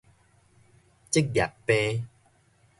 職業病